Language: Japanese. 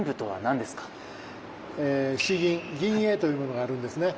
詩吟吟詠というものがあるんですね。